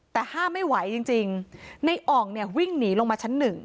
แต่ห้ามไม่ไหวจริงในอ่องเนี่ยวิ่งหนีลงมาชั้นหนึ่ง